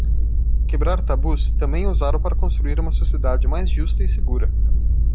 Quebrar tabus também é usado para construir uma sociedade mais justa e segura.